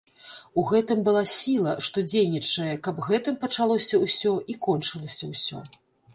У гэтым была сіла, што дзейнічае, каб гэтым пачалося ўсё і кончылася ўсё.